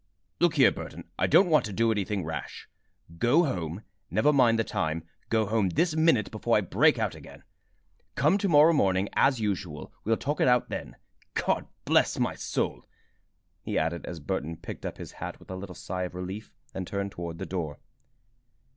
"Look here, Burton, I don't want to do anything rash. Go home never mind the time go home this minute before I break out again. Come to morrow morning, as usual. We'll talk it out then. God bless my soul!" he added, as Burton picked up his hat with a little sigh of relief and turned toward the door.